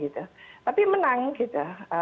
tapi menang gitu